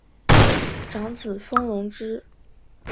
长子封隆之。